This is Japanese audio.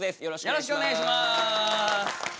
よろしくお願いします。